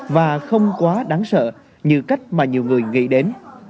và không quá đáng sợ như cách mà nhiều người nghĩ đến